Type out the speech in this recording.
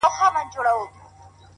د غم شپيلۍ راپسي مه ږغـوه؛